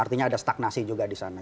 artinya ada stagnasi juga di sana